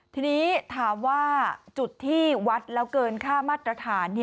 ทีนี้ถามว่าจุดที่วัดแล้วเกินค่ามาตรฐาน